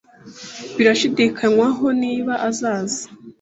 Birashidikanywaho niba azaza.